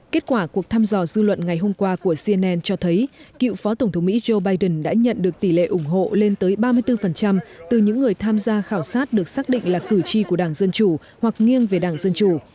kết quả cuộc thăm dò dư luận ngày hôm qua của cnn cho thấy cựu phó tổng thống mỹ joe biden đã nhận được tỷ lệ ủng hộ lên tới ba mươi bốn từ những người tham gia khảo sát được xác định là cử tri của đảng dân chủ hoặc nghiêng về đảng dân chủ